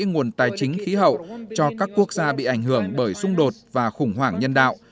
nguồn tài chính khí hậu cho các quốc gia bị ảnh hưởng bởi xung đột và khủng hoảng nhân đạo